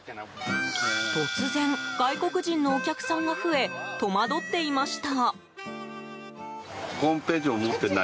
突然、外国人のお客さんが増え戸惑っていました。